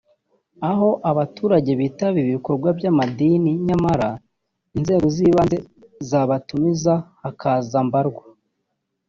aho abaturage bitabira ibikorwa by’amadini nyamara inzego z’ibanze zabatumiza hakaza mbarwa